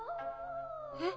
え？